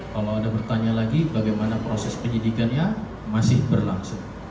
kalau ada pertanyaan lagi bagaimana proses penyidikannya masih berlangsung